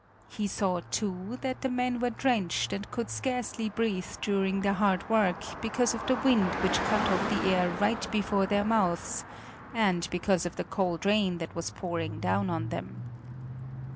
He saw, too, that the men were drenched and could scarcely breathe during their hard work because of the wind which cut off the air right before their mouths and because of the cold rain that was pouring down on them.